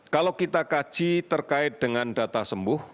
kalau kita kaji terkait dengan data sembuh